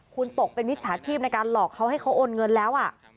คุณตกเป็นมิจฉาชีพในการหลอกเขาให้เขาโอนเงินแล้ว